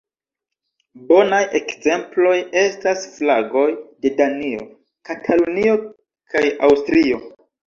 Bonaj ekzemploj estas flagoj de Danio, Katalunio kaj Aŭstrio.